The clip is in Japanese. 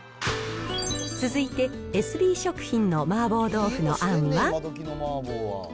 続いてエスビー食品の麻婆豆腐のあんは。